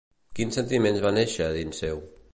Quin sentiment va néixer dins seu?